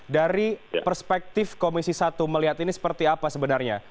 dari perspektif komisi satu melihat ini seperti apa sebenarnya